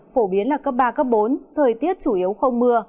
phổ biến là cấp ba cấp bốn thời tiết chủ yếu không mưa